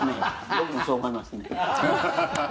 僕もそう思いますね。